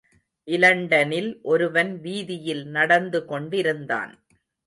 இலண்டனில் ஒருவன் வீதியில் நடந்து கொண்டிருந்தான்.